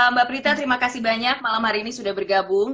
mbak prita terima kasih banyak malam hari ini sudah bergabung